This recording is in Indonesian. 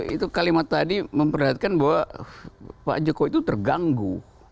itu kalimat tadi memperhatikan bahwa pak jokowi itu terganggu